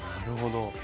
なるほど。